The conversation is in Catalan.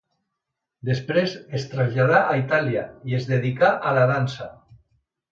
Després es traslladà a Itàlia i es dedicà a la dansa.